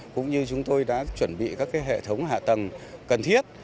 cũng như chúng tôi đã chuẩn bị các hệ thống hạ tầng cần thiết